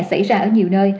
xảy ra ở nhiều nơi